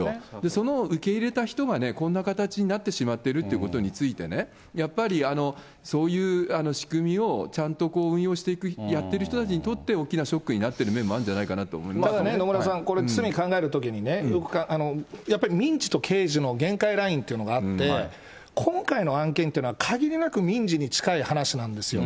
その受け入れた人が、こんな形になってしまっているということについて、やっぱりそういう仕組みをちゃんと運用していく、やっている人たちにとって、大きなショックになってる面もあるんただ野村さん、これ罪考えるときにね、やっぱり民事と刑事と限界ラインというのがあって、今回の案件っていうのは、限りなく民事に近い話なんですよ。